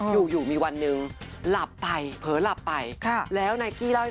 อยู่อยู่มีวันหนึ่งหลับไปเผลอหลับไปแล้วนายกี้เล่าให้